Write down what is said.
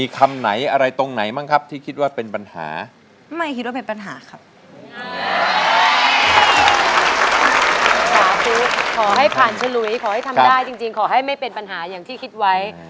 ขอให้ผ่านฉลุยขอให้ทำได้จริงขอให้ไม่เป็นปัญหาอย่างที่คิดไว้